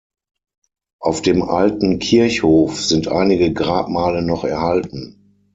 Auf dem alten Kirchhof sind einige Grabmale noch erhalten.